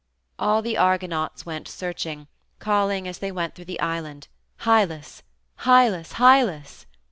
All the Argonauts went searching, calling as they went through the island, "Hylas, Hylas, Hylas!"